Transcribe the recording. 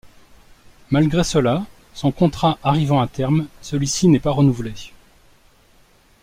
Malgré cela, son contrat arrivant à terme, celui-ci n'est pas renouvelé.